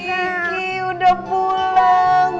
wah kiki udah pulang